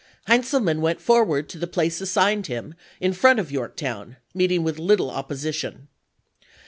Heintzelman went forward to the place assigned him in front of Yorktown, meeting with little opposition.